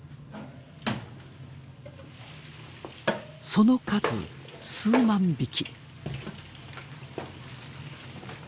その数数万匹。